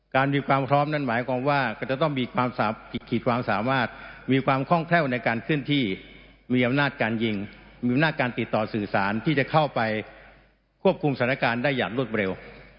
มีความพร้อมนั้นหมายความว่าก็จะต้องมีความขีดความสามารถมีความคล่องแคล่วในการเคลื่อนที่มีอำนาจการยิงมีอำนาจการติดต่อสื่อสารที่จะเข้าไปควบคุมสถานการณ์ได้อย่างรวดเร็ว